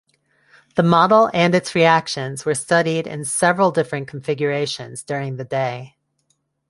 The model and its reactions were studied in several different configurations during the day.